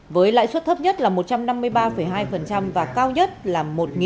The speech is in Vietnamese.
với lãi suất thấp nhất là một trăm năm mươi ba hai và cao nhất là một hai trăm tám mươi chín sáu mươi bảy